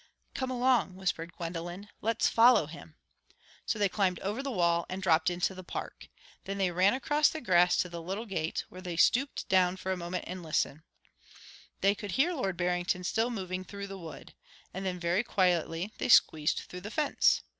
"Come along," whispered Gwendolen, "let's follow him"; so they climbed over the wall and dropped into the park. Then they ran across the grass to the little gate, where they stooped down for a moment and listened. They could hear Lord Barrington still moving through the wood. And then very quietly they squeezed through the fence.